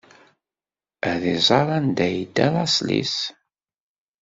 Ad iẓer anda yedda laṣel-is.